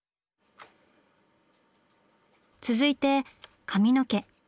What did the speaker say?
続いて髪の毛。